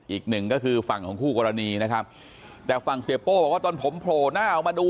อีกหนึ่งก็คือฝั่งของคู่กรณีนะครับแต่ฝั่งเสียโป้บอกว่าตอนผมโผล่หน้าออกมาดู